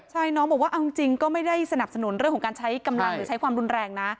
ใช่น้องบอกว่าเอาจริงก็ไม่ได้สนับสนุนเรื่องของการใช้กำลังหรือใช้ความรุนแรงนะ